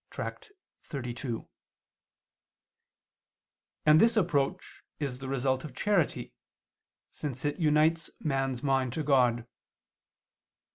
xxxii]: and this approach is the result of charity, since it unites man's mind to God.